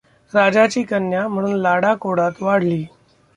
राजाची कन्या म्हणून लाडा कोडात वाढली.